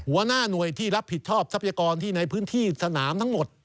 หัวหน้าหน่วยที่รับผิดชอบทรัพยากรที่ในพื้นที่สนามทั้งหมด